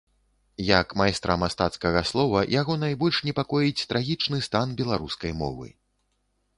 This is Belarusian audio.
Як майстра мастацкага слова, яго найбольш непакоіць трагічны стан беларускай мовы.